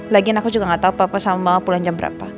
lagiin aku juga gak tau papa sama pulang jam berapa